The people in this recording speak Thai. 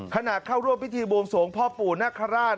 ขณะเข้าร่วมพิธีบวงสวงพ่อปู่นคราช